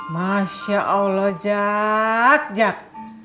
masya allah jak jak